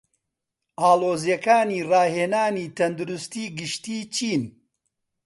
ئاڵۆزیەکانی ڕاهێنانی تەندروستی گشتی چین؟